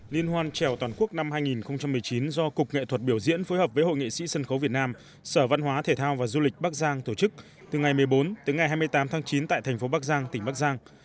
liên hoan trèo toàn quốc năm hai nghìn một mươi chín do cục nghệ thuật biểu diễn phối hợp với hội nghệ sĩ sân khấu việt nam sở văn hóa thể thao và du lịch bắc giang tổ chức từ ngày một mươi bốn tới ngày hai mươi tám tháng chín tại thành phố bắc giang tỉnh bắc giang